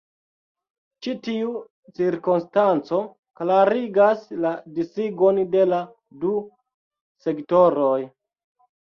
Ĉi tiu cirkonstanco klarigas la disigon de la du sektoroj.